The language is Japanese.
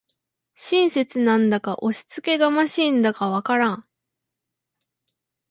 親切なんだか押しつけがましいんだかわからん